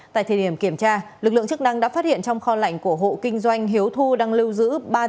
tại thời điểm kiểm tra lực lượng chức năng đã phát hiện trong kho lạnh của hộ kinh doanh hiếu thu đang lưu giữ